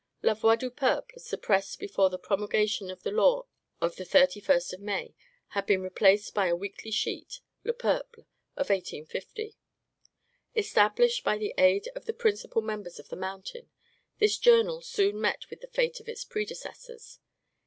"La Voix du Peuple," suppressed before the promulgation of the law of the 31st of May, had been replaced by a weekly sheet, "Le Peuple" of 1850. Established by the aid of the principal members of the Mountain, this journal soon met with the fate of its predecessors.